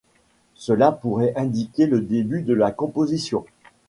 Cela pourrait indiquer le début de la composition.